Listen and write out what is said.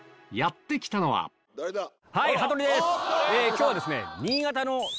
今日はですね。